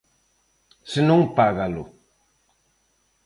Se non, págalo.